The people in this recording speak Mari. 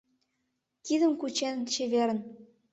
Кидым кучен, чеверын.